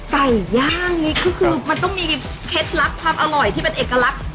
ไก่ย่างนี้ก็คือมันต้องมีเคล็ดลับความอร่อยที่เป็นเอกลักษณ์